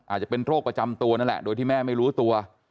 อาจจะเป็นโรคประจำตัวนั่นแหละโดยที่แม่ไม่รู้ตัว